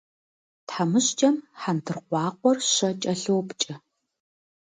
Тхьэмыщкӏэм хьэндыркъуакъуэр щэ кӏэлъопкӏэ.